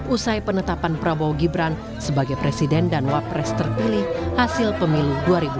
usai penetapan prabowo gibran sebagai presiden dan wapres terpilih hasil pemilu dua ribu dua puluh